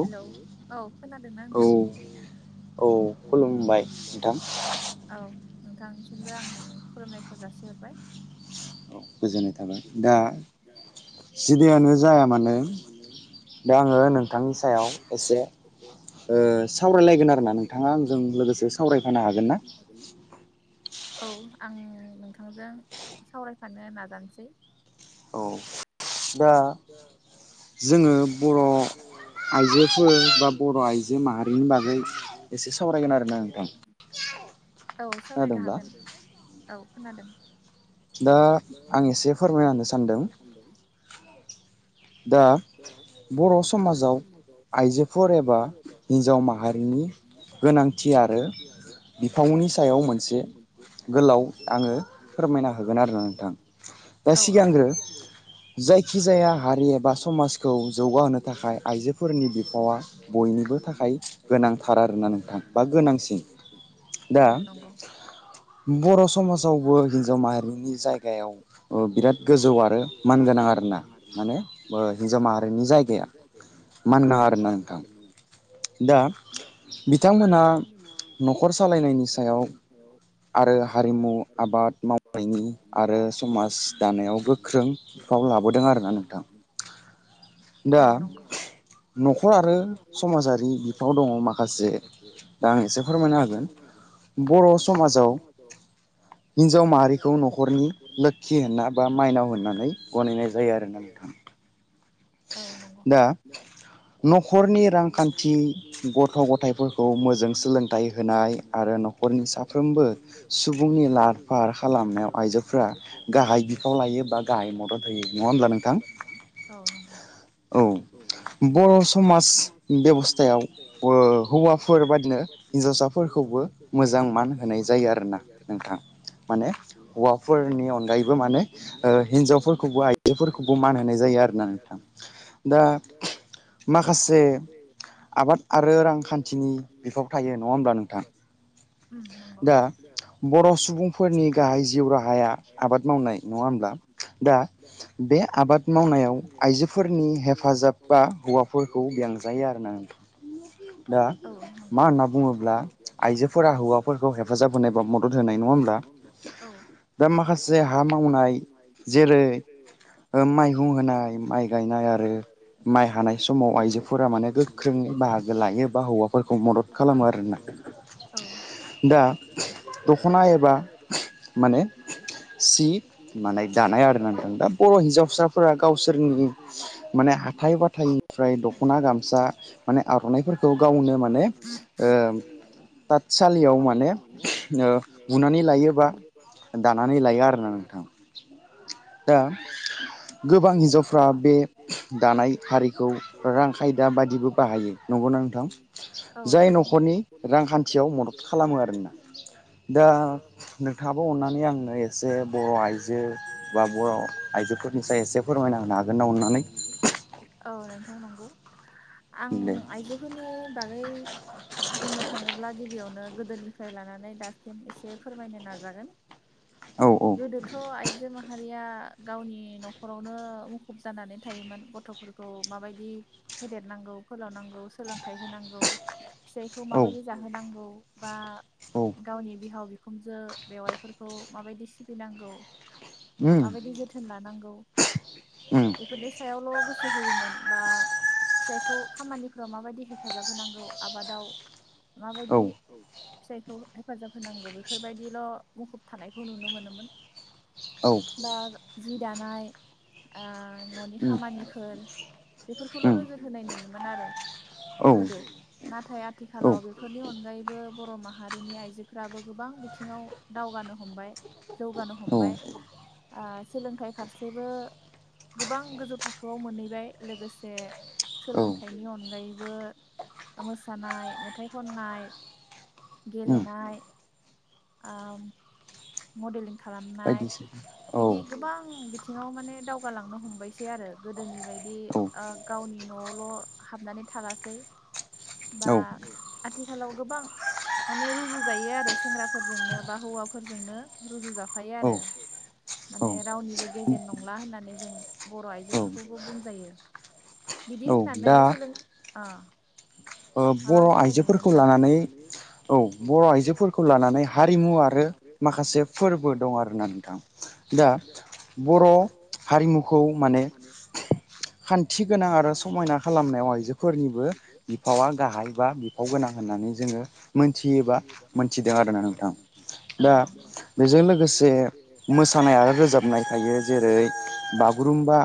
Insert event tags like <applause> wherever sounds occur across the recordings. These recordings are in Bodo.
हेलौ औ खोनादोंना नोंथां औ नोंथां थांनिसिमबो आंनि खुुमनायखौ जासिहरबाय गोजोननाय थाबाय दासिबियिनो जायाथों मानो दा आङो नोंथांनि सायाव एसे सावरायलायगोन आरोना नोंथाङा आंजों लोगोसे सावरायफानो हागोन ना औ आं नोंथांजों सावरायफानो नाजानो सै दा जोङो ओ बर' आइजोफोर बा बर' आइजो माहारिनि बागै एसे सावरायगोन आरोना नोंथां औ सावरायनो हागोन औ खोनादों दा आं एसे फोरमाय होननो सानदों दा बर' समाजाव आइजोफोर एबा हिन्जाव माहारिनि गोनांथि आरो बिफावनि सायाव मोनसे गोलाव आङो फोरमायना होगोन आरो नोंथां दा सिगांग्रो जायखिजाया बा समाजखौ जौगाहोनो थाखाय आइजोफोरनि बिफावा बयनिबो थाखाय गोनांथार आरोना नोंथां बा गोनांसिन दा बर' समाजावबो हिनजाव माहारिनि जायगायाव बिराद गोजौ आरो मानगोनां आरोना माने ओ हिन्जाव माहारिनि जायगाया मान आरो ना नोंथां दा बिथांमोनहा नखर सालायनायनि सायाव आरो हारिमु आबाद मावनायनि आरो समाज दानायाव गोख्रों बिफाव लाबोदों आरोना नोंथां दा नखर आरो समाजारि बिफाव दङ माखासे दा आं एसे फोरमायना हाेगोन बर समाजाव हिन्जाव माहारिखौ नखरनि लोखि होनना बा माइनाव होननानै गनायनाय जायो आरो ना नोंथांआरोना नोंथां दा नखरनि रांखान्थि गथ गथायाइफोरखौ मोजां सोलोंथाइ होनाय आरो नखरनि साफ्रोमबो सुबुंनि लाहार फाहार खालामनायाव आइजोफोरा गाहाय बिफाव लायो बा गाहाय मदद होयो नङा होमब्ला नोंथां औ बरसमाज बेबस्थायाव हौवाफोर बादिनो हिनजावसाफोरखौबो मोजां मान होनाय जायो आरोना नोंथां माने हौवाफोरनि अनगायैबो माने हिनजावफोरखौबो आइजोफोरखौबो मान होनाय जायो आरोना नोंथां दा माखासे आबाद आरो रांखान्थिनि बिफाव थायो नङा होमब्ला नोंथां दा बर सुबुंफोरनि गाहाय जिउ राहाया आबाद मावनाय नङा होमब्ला दा बे आबाद मावनाय याव आइजोफोरनि हेफाजाब बा हौवाफोरखौ बेंजायो आरोना दा मा होनना बुङोब्ला आइजोफोरा हौफोरखौ हेफाब होनाय बा मदद होनाय नङा हब्ला बा माखासे हा मावनाय जेरै माइ हौ होनाय माइ गायनाय आरो माइ हानाय समाव आइजोफोरा माने गोख्रोङै बाहागो लायो बा हौवाफोरखौ मदद खालामो आरोना दा दखना एबा माने सि माने दानाय आरो नांदों दा बर हिनजावसाफोरा गाव सोरनि माने हाथाइ बाथथायनिफ्राय दखना गामसा माने आरनाइफोरखौ गावनो माने ओ थाथसालियाव माने बुनानै लायो बा दानानै लायो आरोना नोंथां दा गोब बां हिनजावफ्रा बे दानाय हारिखौ रां खायदा बादिबो बाहायो नंगौना नोंथां जाय नखरनि रांखथि खाथियाव मदद खालामो आरोना दा नोंथाङाबो अननानै आंनो एसे बर आइजो बा बर आइजोफोरनि साय एसे फोरमायना होनो हागोन ना अनानै? अ नोंथां नंगौ आं आइजोफोरनि बागै बुंनो थाङोब्ला गिबियावनो गोदोनिफ्राय लानानै दासिम एसे फोरमायनो नाजागोन गोदोथ आइजो माहारि रिया गावनि नख नखरावनो मुखुब जानानै थायोमोन गथफोरखौ माबायदि फेदेरनांगौ फोलावनांगौ सोलोंथाइ होनांगौ। फिसाइखौ माबायदि जाहोनांगौ। बा गावनि बिहाव बिख बिखुमजो बेवाइफोरखौ माबायदि सिबिनांगौ। माबायदि जोथोन लानांगौ। बेफोरनि सायावल गोसो होयोमोन बा फिसाइखौ खामानिफ्राव माबायदि हेफाजाब होनांगौ आबादाव माबायदि फिसायखौ हेफाजाब होनांगौ, बेफोरबायदिल मुखुब थानायखौ नुनो मोनोमोन। बा जि दानाय आ ननि खामानिफोर बेफोरखौल नोजोर होनाय नुयोमोन आरो गोदो, नाथाय आथिखालाव बेफोरनि अनगायैबो बर' माहारिनि आइजोफ्राबो गोबां बिथिङाव दावगानो हमबाय। जौगानो हमबाय। आ सोलोंथाइ फारसेबो गोबां गोजौ थाखोआव मोनहैबाय लोगोसे सोलोंथाइनि अनगायैबो बो मोसानाय, मेथाइ खननाय। गेलेनाय ओ मदेलिं खालामनाय बिदि गोबां बिथिं बिथिंआव माने दावगालांनो हमबायसै आरो गोदोनि बायदि ओ गावनि न'आवल हाबनानै थालासै। बा आथिखालाव गोबां माने रुजु जायो आरो सेंग्राफोरजोंनो बा हौवाफोरजों जोंनो रुजुजाफायो आरो माने रावनिबो गेजेर नंला, होननानै जों बर' आइजोफोरखौबो बुंजायो। बिदि होननानै सोलों आ बर' आइजोफोरखौ लानानै औ बर आइजोफोरखौ लानानै हारिमु आरो माखासे फोरबो दं आरोना नोंथां, दा बर' हारिमुखौ माने खान्थि गोनां आरो समायना खालामनायाव आइजोफोरनिबो बिफावा <unintelligible> बिफाव गोनां होननानै जोङो मोनथियो बा मोनथिदों आरोना नोंथां। दा बेजों लोगोसे मोसानाय आरो रोजाबनाय थायो जेरै बागुरुम्बा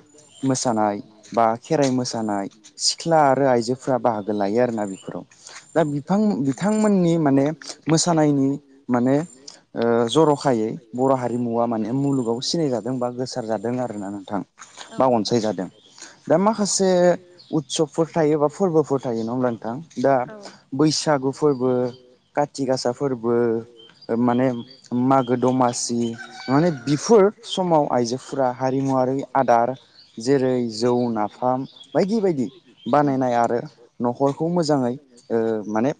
मोसानाय बा खेराइ मोसानाय सिख्ला आरो आइजोफोरा बाहागो लायो आरोना बेफोराव दा बिफां बिथांमोननि माने मोसानायनि माने ओ जर'खायै बर' हारिमुवा माने मुलुगाव सिनाय जादों बा गोसार जादों आरोना नोंथां, बा अनसाय जादों दा माखासे उत्सबफोर थायो बा फोरबोफोर थायो नङा होमब्ला दा-दा बैसागु फोरबो काति गासा फोरबो ओ माने मागो दमासि माने बिफोर समाव आइजोफोरा हारिमुवारि आदार जेरै -जौ नाफाम बायदि बायदि बानायनाय आरो नखर बेखौ मोजाङै ओ माने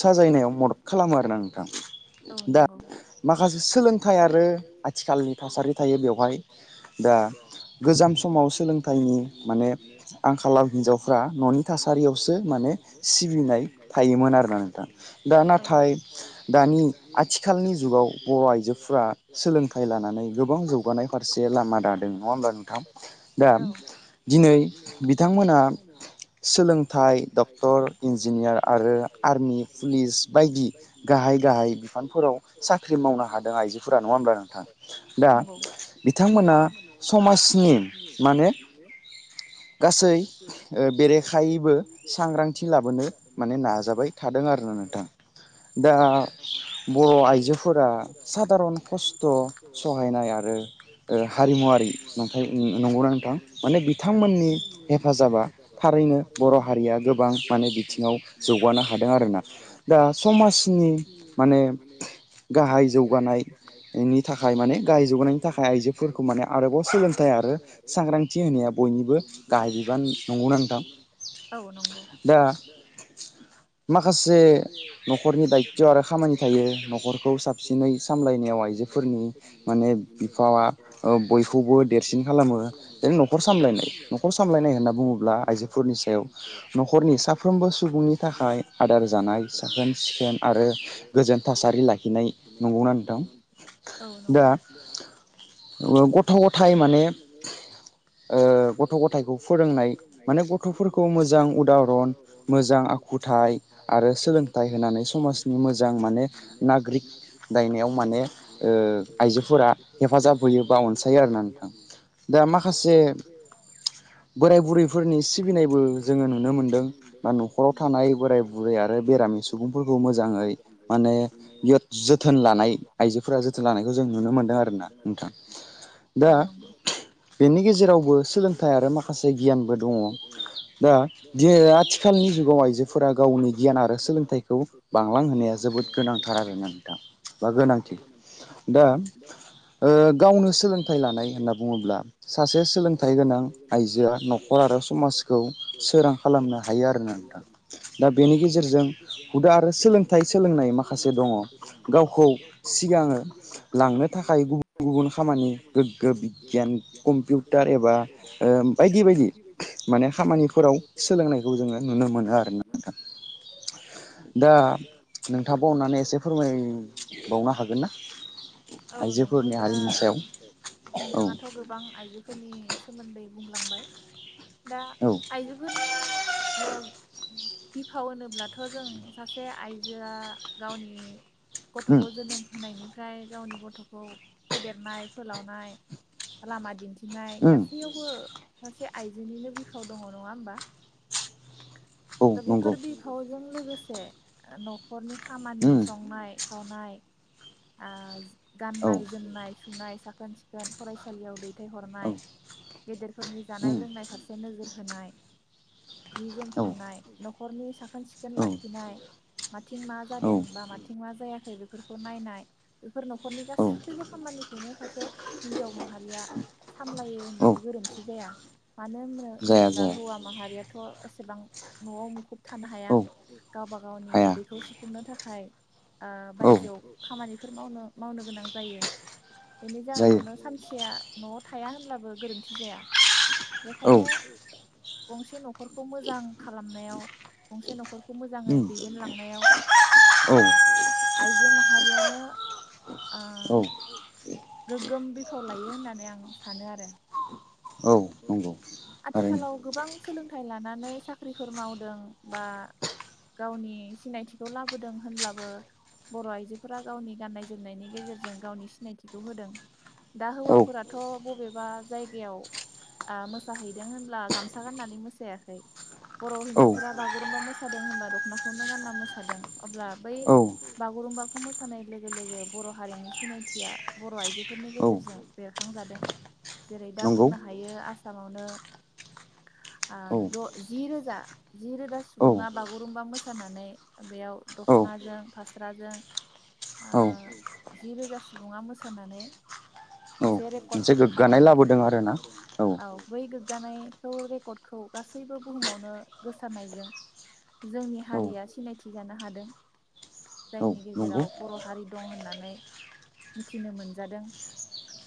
साजायनायाव मदद खालामो आरोना नोंथां। दा माखासे सोलोंथाइ आरो आथिखालनि थासारि थायो बेवहाय दा गोजाम समाव सोलोंथाइनि माने आंखालाव हिनजावफ्रा ननि थासारियावसो। माने सिबिनाय थायोमोन आरोना नोंथां दा नाथाय दानि। आथिखालनि जुगाव बर आइजोफोरा सोलोंथाइ लानानै गोबां जौगानाय फारसे लामा दादों नङा होब्ला नोंथां दा दिनै बिथांमोना सोलों थाइ डक्टर इन्जिनियार आरो आर्मि पुलिस बायदि गाहाय। बिफानफोराव साख्रि मावनो हादों आइजोफोरा नङा होमब्ला नोंथां दा बिथांमोना समाजनि माने गासै ओ बेरेखायैबो। सांग्रांथि लाबोनो माने नाजाबाय थादों आरोना नोंथां दा‌। बर आइजोफोरा सादारन खस्थ सहायनाय आरो हारिमुवारि नुथाय नंगौना नोंथां माने बिथांमोननि हेफाजाबा थारैनो बर हारिया गोबां माने बिथिङाव जौगानो हादों आरोना दा समाजनि। माने गाहाय जौगानायनि थाखाय माने गाहाय जौगानायनि थाखाय आइजोफोरखौ माने आरोबाव सोलोंथाइ आरो सांग्रांथि होनाया बयनिबो गाहाय बिबान नंगौना नोंथां। दा माखासे नखरनि दाय खामानि थायो नखरखौ साबसिनै सामलायनायाव आइजोफोरनि माने बिफावा बयखौबो देरसिन खालामो जेरै नखर सामलायनाय नखर सामलायनाय होनना बुङोब्ला आइजोफोरनि सायाव। नखरनि साफ्रोमबो सुबुंनि थाखाय आदार जानाय साखोन सिखोन। आरो गोजोन थासारि लाखिनाय नंगौना नोंथां दा गथ गथाय माने गथ गथायखौ फोरोंनाय माने गथफोर खौ मोजां उदाहरन मोजां आखुथाइ आरो सोलोंथाइ होनानै स समाजनि मोजां माने नागरिक दायनायाव माने आइजोफोरा हेफाजाब होयो बा अनसायो आरोना नोंथां दा माखासे बोराय बुरैफोरनि सिबिनाय। जोङो नुनो मोनदों बा नखराव थानाय बोराय बुरै आरो बेरामि सुबुंफोरखौ मोजाङै माने इयथ जोथोन लानाय आइजोफोरा जोथोन लानायखौ जों नुनो मोनदों आरोना नोंथां दा बेनि गेजेरावबो सोलोंथाइ आरो माखासे गियानबो दङ। दा <inaudible> आथिखालनि जुगाव आइजोफोरा गावनि गियान आरो सोलोंथाइखौ। बांलांहोनाया जोबोद गोनांथार आरोना नोंथां बा गोनांथि दा ओ गावनो सोलोंथाइ लानाय। खौ सोरां खालामनो हायो आरोना नोंथां दा बेनि गेजेरजों हुदा आरो सोलोंथाइ सोलोंनाय माखासे दङ गावखौ सिगाङो लांनो थाखाय गुबुन गुबुन खामानि गोग्गो बिगियान कम्पिउटार एबा बायदि बायदि। माने खामानिफोराव सोलोंनायखौ जोङो नुनो मोनो आरो ना नोंथां दा <unintelligible> औ नंगौ दा नोंथाङाथ गोबां आइजोफोरनि सोमोन्दै बुंलांबाय। दा आइजोफोरनि ओ बिफाव होनोब्लाथ जों सासे सासे आइजोआ गावनि गथ'खौ जोनोम होनायनि निफ्राय गावनि गथ'खौ फेदेरनाय फोलावनाय लामा दिन्थि नाय गासैयावबो सासे आइजोनिनो बिफाव दङ नङा होमबा। दा बेफोर बिफावजों लोगो से न नखरनि खामानि संनाय खावनाय आ गाननाय जोमनाय स सुंनाय साखोन सिखोन फरायसालियाव दै थायनाय गेदेरफोरनि जानाय लोंनाय फारसे नोजोर होनाय जि जोम सुनाय नख नखरनि सा साखोन सिखोन लाखिनाय माथिं मा जादों बा माथिं मा जाया बेफोरखौ नायनाय फोर नखरनि गासैबो खामानिखौनो सासे हिनजाव माहारिया सामलायो होनबाबो गोरोन्थि जाया। मानो होनो-होनोब्ला हौवा माहारिया थ एसेबां नआव मुखुब थानो हाया गावबा गावनि उदैखौ सुफुंनो था खाय ओ बायजोआव खामानि फोर मावनो मावनो गोनां जायो। बेनि जाहोनावनो सानसेया नआव थाया होनब्लाबो गोरोन्थि जाया। बेखायनो गंसे नखरखौ मोजां खालामनायाव गंसे न'खरखौ मोजाङै। दैदेलांनायाव आइजो माहारियानो ओ गोग्गोम बिफाव। लायो होननानै आं सानो आरो। <inaudible> आथिखालाव गोबां सोलोंथाइ ला नानै साख्रिफोर मावदों बा गावनि सिनायथिखौ लाबोदों होनब्लाबो बर' आइजोफोरा गावनि गाननाय जोमनायनि गेजेरजों गावनि सिनायथिखौ होदों। दा हौवाफोराथ' बबे। बा जायगायाव। आ मोसाहैदों होनब्ला गामसा गाननानै मोसायाखै बर' हिनजावफोरा बागुरुमबा मोसादों होनबा दख'नाखौनो गानना मोसादों अब्ला बै बागुरुम्बाखौ मोसानाय लोगो लोगो बर' हारिनि सिनायथिया बर'आइजोफोरनि गेजेरजों बेरखांजादों। जेरै दा बुंना। हायो आसामावनो आ द जि रोजा जि रोजा सुबुङा बागुरुम्बा मोसानानै बेयाव दख'नाजों फास्राजों आ जि रोजा सुबुङा मोसानानै। मोनसे रेकर्ड खालामबाय। ना औ। गोग्गानायखौ रेकर्डखौ गासैबो बुहुमावनो गोसारनायजों जोंनि हारिया सिनायथि जानो हादों जायनि गेजेराव बर' हारि दं, होननानै मिथिनो मोनजादों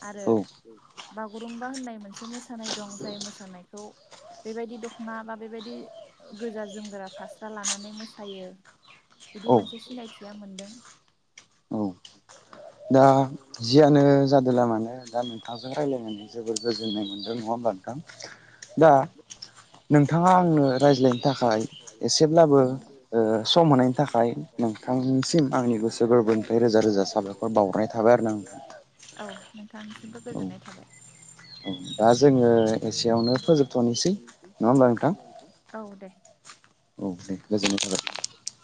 आरो बागुरुम मा होननाय मोनसे मोसानाय दं जाय मोसानायखौ बेबायदि दख'ना बा बेबायदि गोजा जोमगोरा फास्रा लानानै मोसायो बिदि मोनसे सिनायथिया मोनदों। दा जियानो जादोंला मानो दा नोंथांजों रायज्लायनानै जोबोर गोजोननाय मोन्दों नङा होमबा, आं दा। नोंथाङा आंनो रायज्लायनो थाखाय एसेब्लाबो ओ सम होनायनि थाखाय नोंथांसिम आंनि गोसो गोरबोनिफ्राय रोजा रोजा साबायख औ नों। नोंथांनिसिमबो गोजोननाय थाबाय। दा जोङो एसेयावनो फोजोबथ'नोसै नङा होमबा। नुङा ओनबा नोंथां औ दे। दे गोजोननाय थाबाय।